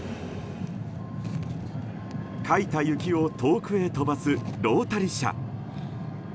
かいた雪を遠くへ飛ばすロータリ車。